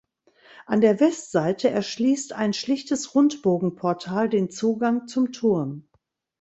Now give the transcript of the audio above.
An der Westseite erschließt ein schlichtes Rundbogenportal den Zugang zum Turm.